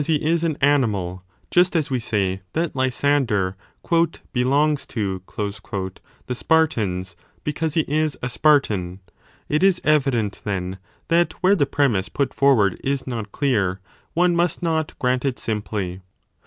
i76 b DE SOPHISTICIS ELENCHIS 5 an animal, just as we say that Lysander belongs to the Spartans, because he is a Spartan. It is evident, then, that where the premiss put forward is not clear, one must not grant it simply.